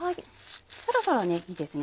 そろそろいいですね